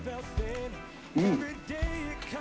うん。